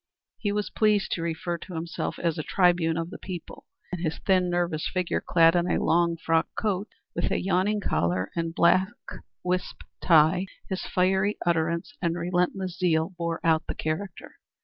He was pleased to refer to himself as a tribune of the people, and his thin, nervous figure, clad in a long frock coat, with a yawning collar and black whisp tie, his fiery utterance and relentless zeal, bore out the character.